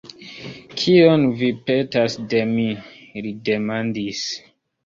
Kion vi petas de mi? li demandis.